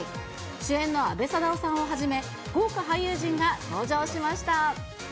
主演の阿部サダヲさんをはじめ、豪華俳優陣が登場しました。